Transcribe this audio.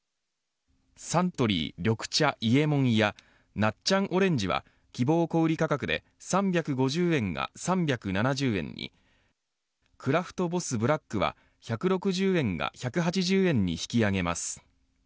サントリー緑茶伊右衛門やなっちゃんオレンジは希望小売価格で３５０円が３７０円にクラフトボスブラックは１６０円が１８０円に引き上げられます。